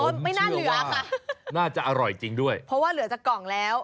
ไม่น่าเหลือค่ะน่าจะอร่อยจริงด้วยเพราะว่าเหลือจากกล่องแล้ว